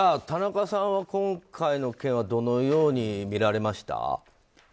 田中さんは今回の件はどのように見られました？